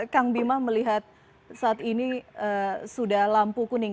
kang bima melihat saat ini sudah lampu kuning